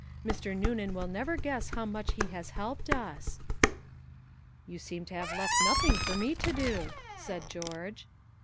Mr. Noonan will never guess how much he has helped us." "You seem to have left nothing for me to do," said George.